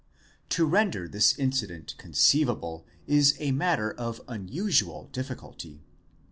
To render this incident conceivable is a 'matter of unusual difficulty.